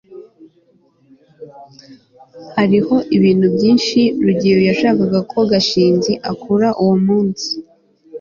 hariho ibintu byinshi rugeyo yashakaga ko gashinzi akora uwo munsi